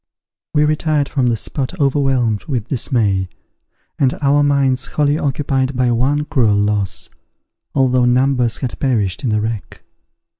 We retired from the spot overwhelmed with dismay, and our minds wholly occupied by one cruel loss, although numbers had perished in the wreck.